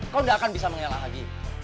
kau tidak akan bisa mengelak lagi